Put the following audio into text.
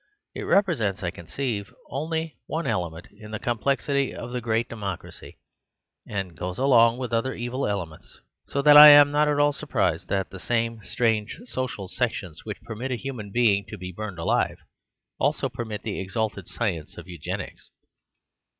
It repre sents, I conceive, only one element in the complexity of the great democracy; and goes along with other evil elements ; so that I am not at all surprised that the same strange social sections, which permit a human being to be burned alive, also permit the exalted science of Eugenics.